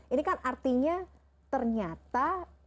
ini kan artinya ternyata